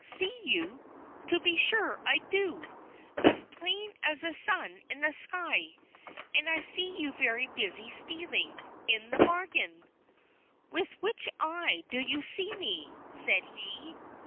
"See you! To be sure I do! as plain as the sun in the sky! And I see you very busy stealing, into the bargain!" "With which eye do you see me?" said he.